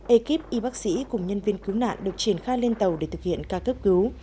ekip y bác sĩ cùng nhân viên cứu nạn được triển khai lên tàu để thực hiện ca cấp cứu